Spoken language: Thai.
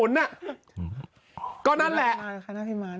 เช็ดแรงไปนี่